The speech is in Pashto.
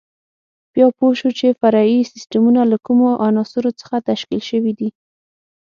بیا پوه شو چې فرعي سیسټمونه له کومو عناصرو څخه تشکیل شوي دي.